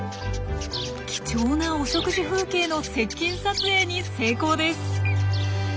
貴重なお食事風景の接近撮影に成功です！